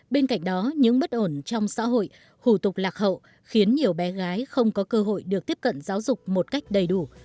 bên cạnh đó những bất ổn trong xã hội hủ tục lạc hậu khiến nhiều bé gái không có cơ hội được tiếp cận giáo dục một cách đầy đủ